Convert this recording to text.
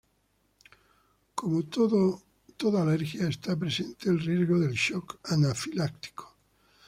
Como toda alergia, está presente el riesgo del shock anafiláctico.